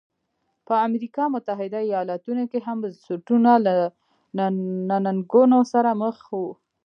په امریکا متحده ایالتونو کې هم بنسټونه له ننګونو سره مخ وو.